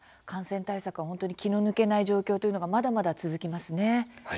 感染対策は、本当に気の抜けない状況というのがまだまだ続きますね。